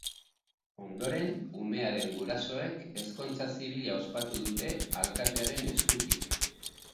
Ondoren, umearen gurasoek ezkontza zibila ospatu dute, alkatearen eskutik.